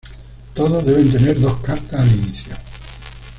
Todos deben tener dos cartas al inicio.